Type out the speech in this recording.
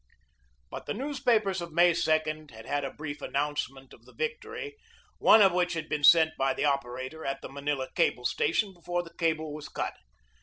1 But the newspapers of May 2 had had a brief announcement of the victory, one of which had been sent by the operator at the Manila cable station before the cable was cut.